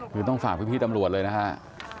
คือต้องฝากพี่ตำรวจเลยนะฮะ